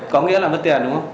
có nghĩa là mất tiền đúng không